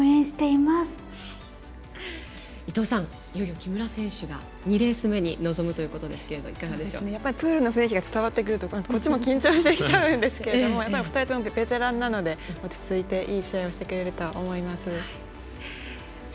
伊藤さん、いよいよ木村選手が２レース目に挑むということですけれどもプールの雰囲気が伝わってくるとこっちも緊張してきちゃうんですけど２人ともベテランなので落ち着いていい試合をしてくれると思います。